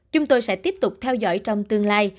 chúng tôi sẽ tiếp tục theo dõi trong tương lai